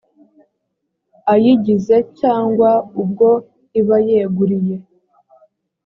ayigize cyangwa ubwo iba yeguriye